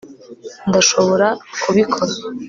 ndashobora kubikora